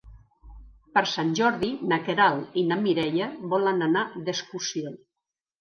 Per Sant Jordi na Queralt i na Mireia volen anar d'excursió.